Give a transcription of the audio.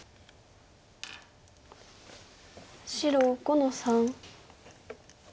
白５の三。